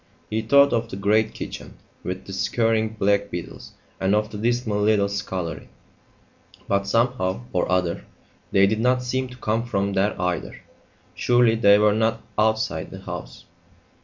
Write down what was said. He thought of the great kitchen, with the scurrying black beetles, and of the dismal little scullery; but, somehow or other, they did not seem to come from there either. Surely they were not outside the house!